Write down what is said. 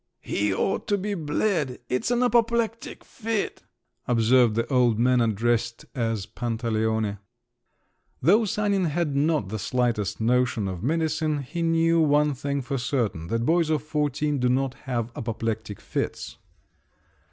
"He ought to be bled—it's an apoplectic fit," observed the old man addressed as Pantaleone. Though Sanin had not the slightest notion of medicine, he knew one thing for certain, that boys of fourteen do not have apoplectic fits.